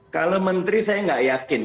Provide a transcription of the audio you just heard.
kalau menteri saya nggak yakin